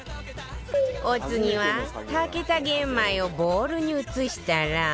お次は炊けた玄米をボウルに移したら